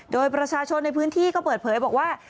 โดยประชาชนในพื้นที่ก็เปิดเผยบอกว่า